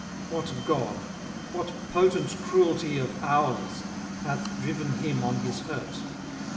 What god, what potent cruelty of ours, hath driven him on his hurt?